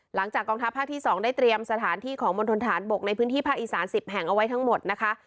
หลังจากกองทัพภาคที่๒ได้เตรียมสถานที่ของมณฑนฐานบกในพื้นที่ภาคอีสาน๑๐แห่งเอาไว้ทั้งหมดนะคะ